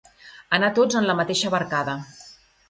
Anar tots en la mateixa barcada.